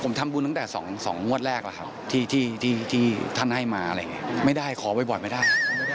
ผมทำบุญตั้งแต่๒งวดแรกแล้วครับที่ท่านให้มาอะไรอย่างนี้ไม่ได้ขอบ่อยไม่ได้